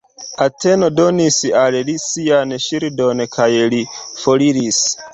Ateno donis al li sian ŝildon, kaj li foriris.